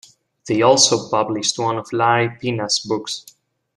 They also published one of Larry Pina's books.